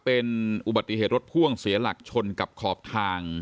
เป็นอุบัติเหตุรถพ่วงเสียหลักชนกับขอบทาง